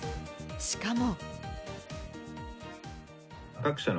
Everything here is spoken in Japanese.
しかも。